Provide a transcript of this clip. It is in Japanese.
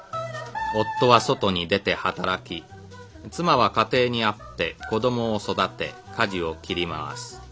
夫は外に出て働き妻は家庭にあって子供を育て家事を切り回す。